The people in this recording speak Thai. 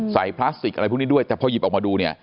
พลาสติกอะไรพวกนี้ด้วยแต่พอหยิบออกมาดูเนี่ย